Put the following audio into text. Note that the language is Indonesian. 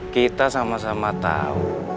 kita sama sama tau